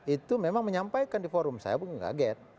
itu memang menyampaikan di forum saya pun kaget